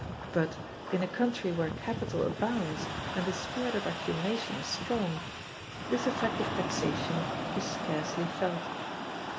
But, in a country where capital abounds and the spirit of accumulation is strong, this effect of taxation is scarcely felt.